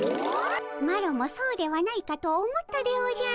マロもそうではないかと思ったでおじゃる。